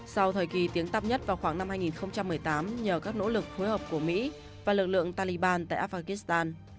sau thời kỳ tiếng tắp nhất vào khoảng năm hai nghìn một mươi tám nhờ các nỗ lực phối hợp của mỹ và lực lượng taliban tại afghanistan